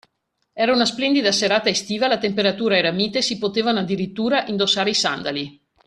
Era una splendida serata estiva, la temperatura era mite, si potevano addirittura indossare i sandali.